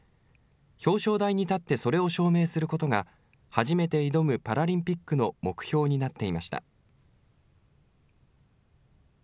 表彰台に立ってそれを証明することが、初めて挑むパラリンピックの目標になっていました。